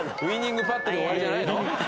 ウイニングパットで終わりじゃないの？